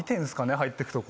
入ってくとこ。